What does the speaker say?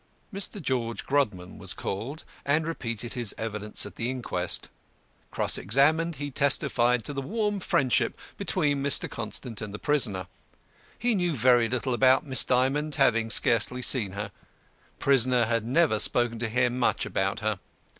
Mr. GEORGE GRODMAN was called, and repeated his evidence at the inquest. Cross examined, he testified to the warm friendship between Mr. Constant and the prisoner. He knew very little about Miss Dymond, having scarcely seen her. Prisoner had never spoken to him much about her.